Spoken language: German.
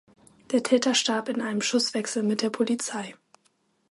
Der Täter starb in einem Schusswechsel mit der Polizei.